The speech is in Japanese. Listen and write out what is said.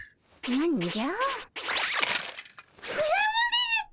何じゃ？